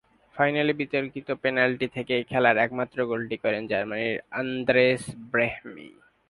ফাইনালে বিতর্কিত পেনাল্টি থেকে খেলার একমাত্র গোলটি করেন জার্মানির আন্দ্রেস ব্রেহমি।